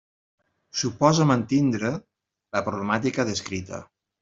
Suposa mantindre la problemàtica descrita.